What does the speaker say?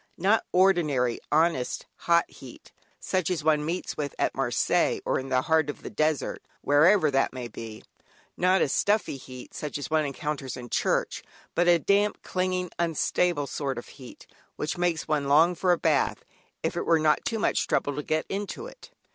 Not ordinary honest, hot, heat, such as one meets with at Marseilles or in the heart of the desert, wherever that may be; not even a stuffy heat, such as one encounters in church, but a damp, clinging, unstable sort of heat, which makes one long for a bath, if it were not too much trouble to get into it.